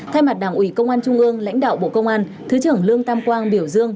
thay mặt đảng ủy công an trung ương lãnh đạo bộ công an thứ trưởng lương tam quang biểu dương